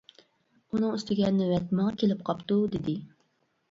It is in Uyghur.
-ئۇنىڭ ئۈستىگە نۆۋەت ماڭا كېلىپ قاپتۇ دېدى.